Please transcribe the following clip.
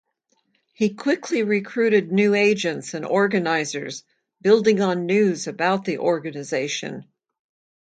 He quickly recruited new agents and organizers, building on news about the organization.